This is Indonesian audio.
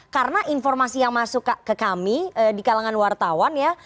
karena informasi yang masuk ke kami di kalangan wartawan ya